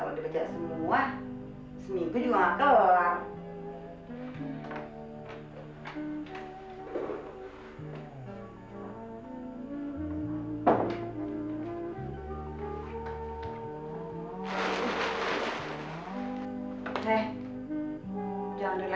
segini cakep gimana jeleknya